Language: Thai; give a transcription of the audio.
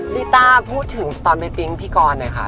ีต้าพูดถึงตอนไปปิ๊งพี่กรหน่อยค่ะ